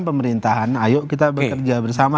pemerintahan ayo kita bekerja bersama